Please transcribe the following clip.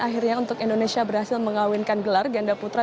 akhirnya untuk indonesia berhasil mengawinkan gelar ganda putra